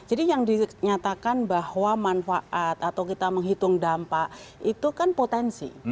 yang dinyatakan bahwa manfaat atau kita menghitung dampak itu kan potensi